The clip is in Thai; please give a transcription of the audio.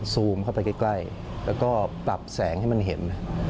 ซูมเข้าไปใกล้แล้วก็ปรับแสงให้มันเห็น